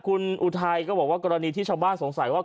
คุณอุทัยก็บอกว่ากรณีที่ชาวบ้านสงสัยว่า